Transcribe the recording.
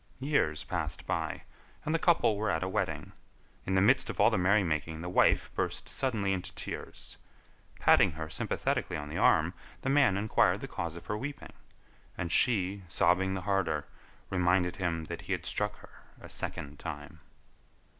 Years passed by, and the couple were at a wedding. In the midst of all the merry making the wife burst suddenly into tears. Patting her sympathetically on the arm, the man inquired the cause of her weeping, and she, sobbing the harder, reminded him that he had struck her a second time.